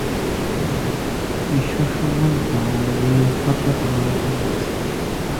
ঈশ্বরসমন্ধে আমাদের এই একমাত্র ধারণা থাকা উচিত।